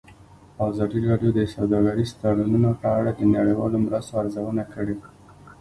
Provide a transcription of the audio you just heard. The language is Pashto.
ازادي راډیو د سوداګریز تړونونه په اړه د نړیوالو مرستو ارزونه کړې.